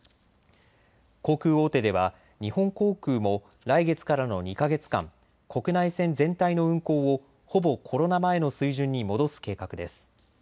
航空大手では日本航空も来月からの２か月間、国内線全体の運航をほぼコロナ前の水準に戻す計画です。